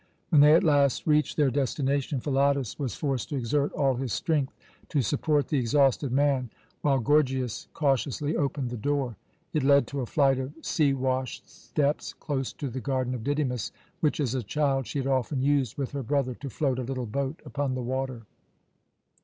When they at last reached their destination, Philotas was forced to exert all his strength to support the exhausted man, while Gorgias cautiously opened the door. It led to a flight of sea washed steps close to the garden of Didymus, which as a child she had often used with her brother to float a little boat upon the water.